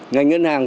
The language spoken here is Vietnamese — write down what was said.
ngành ngân hàng